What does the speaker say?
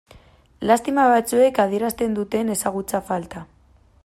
Lastima batzuek adierazten duten ezagutza falta.